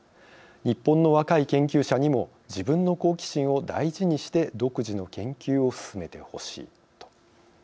日本の若い研究者にも自分の好奇心を大事にして独自の研究を進めてほしい」と。